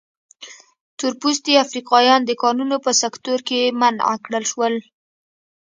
تور پوستي افریقایان د کانونو په سکتور کې منع کړل شول.